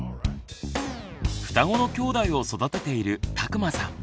双子のきょうだいを育てている田熊さん。